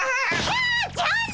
あじゃあね！